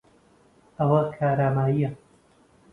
ئەو کارامەیە.